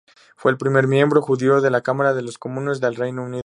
Fue el primer miembro judío de la Cámara de los Comunes del Reino Unido.